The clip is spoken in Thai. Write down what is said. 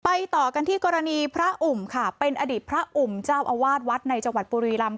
ต่อกันที่กรณีพระอุ่มค่ะเป็นอดีตพระอุ่มเจ้าอาวาสวัดในจังหวัดบุรีรำ